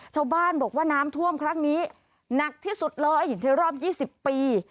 ชาวบ้านบอกว่าน้ำท่วมครั้งนี้หนักที่สุดเลยอย่างที่รอบยี่สิบปี